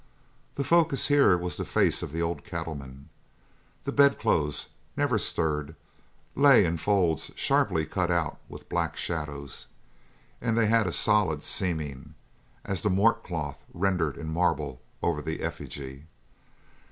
The focus here was the face of the old cattleman. The bedclothes, never stirred, lay in folds sharply cut out with black shadows, and they had a solid seeming, as the mort cloth rendered in marble over the effigy.